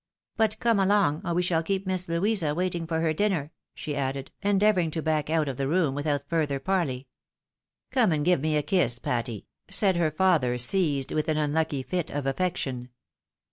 " But come along, or we shall keep Miss Louisa waiting for her dinner," she added, endeavouring to back out of the room without further parley. " Come and give me a kiss, Patty ?" said her father, seized with an unlucky fit of affection.